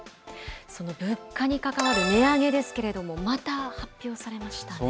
その物価に関わる値上げですけれども、また発表されましたね。